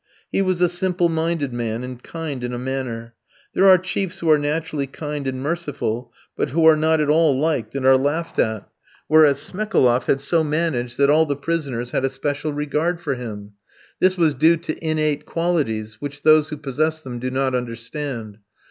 He was a simple minded man, and kind in a manner. There are chiefs who are naturally kind and merciful, but who are not at all liked and are laughed at; whereas, Smekaloff had so managed that all the prisoners had a special regard for him; this was due to innate qualities, which those who possess them do not understand.